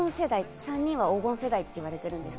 ３人は黄金世代と言われてるんです。